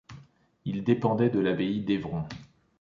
Il dépendait de l'abbaye d'Évron.